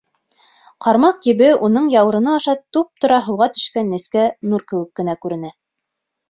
Ҡармаҡ ебе уның яурыны аша туп-тура һыуға төшкән нескә нур кеүек кенә күренә.